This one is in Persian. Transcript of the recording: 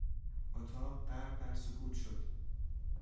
اتاق غرق در سکوت شد.